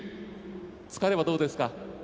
疲れはどうですか？